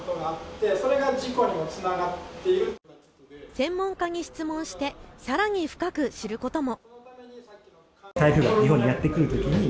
専門家に質問してさらに深く知ることも。